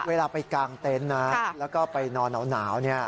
เวลาไปกางเต็นต์นะแล้วก็ไปนอนหนาวเนี่ย